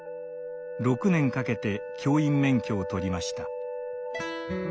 ６年かけて教員免許を取りました。